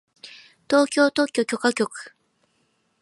東京特許許可局